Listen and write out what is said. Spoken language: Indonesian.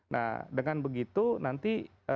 nah dengan begitu nanti